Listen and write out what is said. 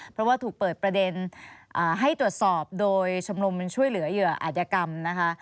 เพราะว่าถูกเปิดประเด็นให้ตรวจสอบโดยชมรมช่วยเหลือเหยื่ออาจยกรรมนะคะ